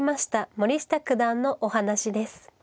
森下九段のお話です。